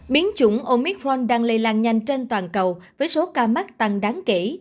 biến chủng omitron đang lây lan nhanh trên toàn cầu với số ca mắc tăng đáng kể